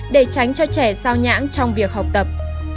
để tránh cho trẻ sao nhãn trong việc học tập